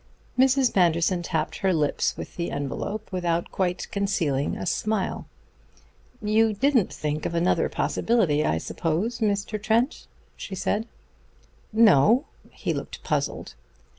Mrs. Manderson tapped her lips with the envelop without quite concealing a smile. "You didn't think of another possibility, I suppose, Mr. Trent," she said. "No." He looked puzzled.